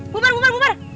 bumar bumar bumar